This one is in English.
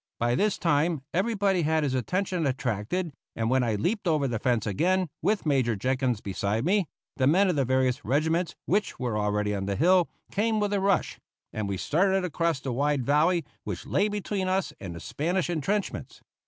By this time everybody had his attention attracted, and when I leaped over the fence again, with Major Jenkins beside me, the men of the various regiments which were already on the hill came with a rush, and we started across the wide valley which lay between us and the Spanish intrenchments.